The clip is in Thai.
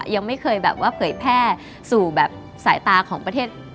ยังไม่เคยแบบว่าเผยแพร่สู่แบบสายตาของประเทศ